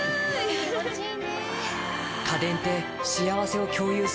気持ちいい。